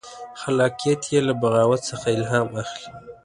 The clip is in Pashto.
خلاقیت یې له بغاوت څخه الهام اخلي.